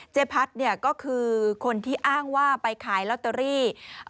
เจ๊พัดก็คือคนที่อ้างว่าไปขายลอตเตอรี่